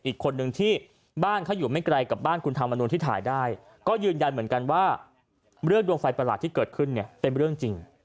อีกคนนึงที่บ้านเขาอยู่ไม่ไกลกับบ้านคุณธรรมนุนที่ถ่ายได้ก็ยืนยันเหมือนกันว่าเรื่องดวงไฟประหลาดที่เกิดขึ้นเนี่ยเป็นเรื่องจริง